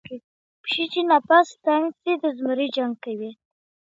¬ د پيشي چي نفس تنگ سي، د زمري جنگ کوي.